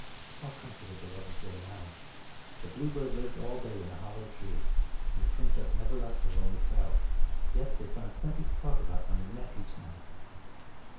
How comforted the lovers were now! The bluebird lived all day in a hollow tree, and the princess never left her lonely cell; yet they found plenty to talk about when they met each night.